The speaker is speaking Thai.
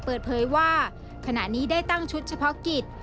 เปิดเผยว่าขณะนี้ได้ตั้งชุดเฉพาะกิจ